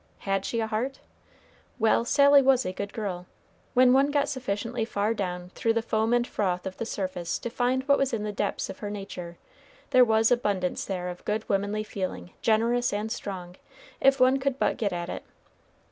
Had she a heart? Well, Sally was a good girl. When one got sufficiently far down through the foam and froth of the surface to find what was in the depths of her nature, there was abundance there of good womanly feeling, generous and strong, if one could but get at it.